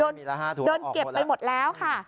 โดนเก็บไปหมดแล้วค่ะ